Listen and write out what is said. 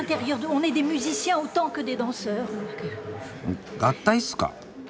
んっ合体っすか。